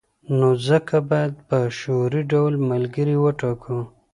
نو ځکه باید په شعوري ډول ملګري وټاکو.